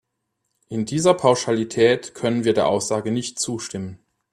In dieser Pauschalität können wir der Aussage nicht zustimmen.